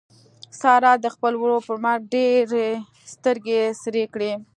سارا د خپل ورور پر مرګ ډېرې سترګې سرې کړې.